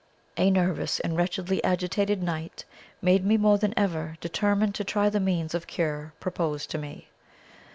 A nervous and wretchedly agitated night made me more than ever determined to try the means of cure proposed to me.